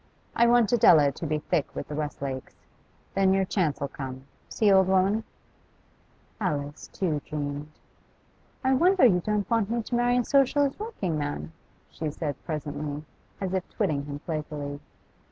I want Adela to be thick with the Westlakes; then your chance'll come. See, old woman?' Alice, too, dreamed. 'I wonder you don't want me to marry a Socialist working man,' she said presently, as if twitting him playfully.